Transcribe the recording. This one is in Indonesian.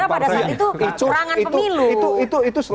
pada saat itu perangan pemilu